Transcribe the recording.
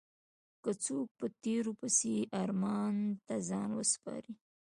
که څوک په تېرو پسې ارمان ته ځان وسپاري.